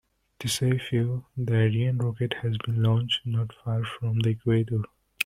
To save fuel, the Ariane rocket has been launched not far from the equator.